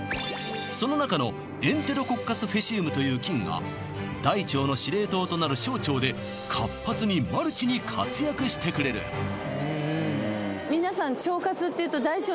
そのなかのエンテロコッカスフェシウムという菌が大腸の司令塔となる小腸で活発にマルチに活躍してくれる皆さん